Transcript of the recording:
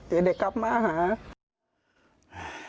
เจ๊เด็กกลับมาหา